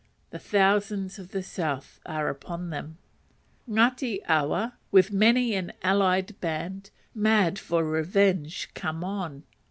The thousands of the south are upon them! Ngati Awa, with many an allied band, mad for revenge, come on.